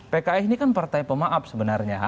pks ini kan partai pemaaf sebenarnya